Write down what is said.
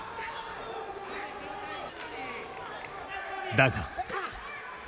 だが。